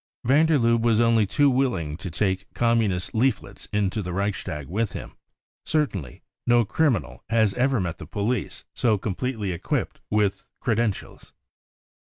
Van der Lubbe was only too willing to take ct Communist leaflets 33 into the Reichstag with him. Certainly no criminal has ever met the police so completely equipped with 4£ credentials."